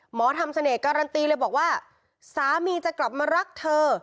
หมอทำเสน่หการันตีเลยบอกว่าสามีจะกลับมารักเธอ